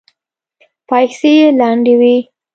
پايڅې يې لندې وې.